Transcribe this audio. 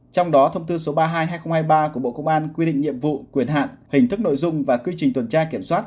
trong đó thông tư số ba mươi hai hai nghìn hai mươi ba của bộ công an quy định nhiệm vụ quyền hạn hình thức nội dung và quy trình tuần tra kiểm soát